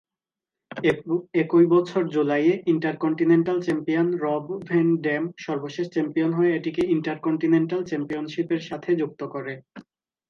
একই বছরের জুলাইয়ে intercontinental champion Rob Van Dam সর্বশেষ চ্যাম্পিয়ন হয়ে এটিকে ইন্টারকন্টিনেন্টাল চ্যাম্পিয়নশিপের সাথে যুক্ত করে।